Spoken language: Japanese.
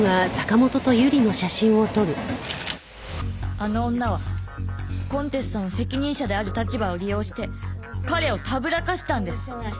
あの女はコンテストの責任者である立場を利用して彼をたぶらかしたんです。